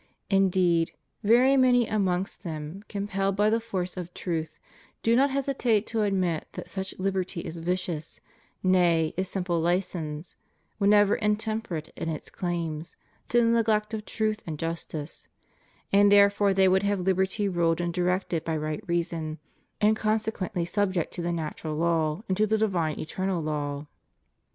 Indeed, very many amongst them, compelled by the force of truth, do not hesitate to admit that such Uberty is vicious, nay, is simple license, whenever intemperate in its claims, to the neglect of truth and justice; and therefore they would have liberty ruled and directed by right reason, and consequently subject to the natural law and to the divine eternal law.